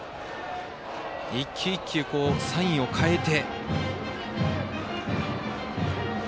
一球一球、サインを変えて。